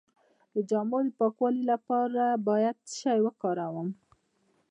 د جامو د پاکوالي لپاره باید څه شی وکاروم؟